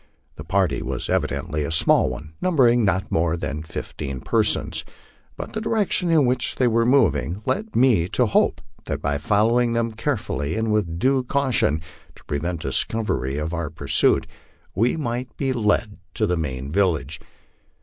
The party was evidently a small one, num bering not more than fifteen persons, but the direction in which they were moving led me to hope that by following them carefully and with due caution to prevent discovery of our pursuit, we might be led to the main village.